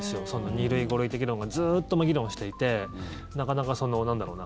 ２類、５類って議論がずっと議論していてなかなか、なんだろうな。